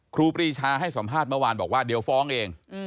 ครูปรีชาให้สัมภาษณ์เมื่อวานบอกว่าเดี๋ยวฟ้องเอง